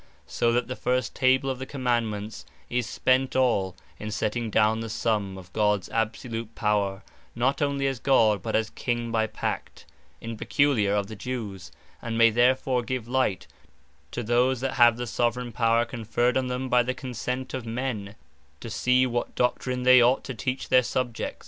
So that the first Table of the Commandements, is spent all, in setting down the summe of Gods absolute Power; not onely as God, but as King by pact, (in peculiar) of the Jewes; and may therefore give light, to those that have the Soveraign Power conferred on them by the consent of men, to see what doctrine they Ought to teach their Subjects.